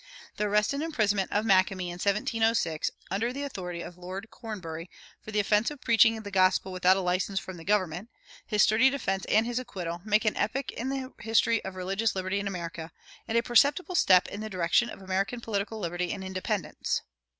The arrest and imprisonment of Makemie in 1706, under the authority of Lord Cornbury, for the offense of preaching the gospel without a license from the government, his sturdy defense and his acquittal, make an epoch in the history of religious liberty in America, and a perceptible step in the direction of American political liberty and independence.